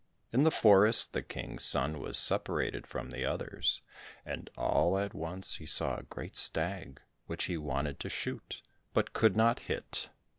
In the forest, the King's son was separated from the others, and all at once he saw a great stag which he wanted to shoot, but could not hit.